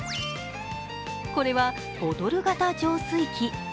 これは、ボトル型浄水器。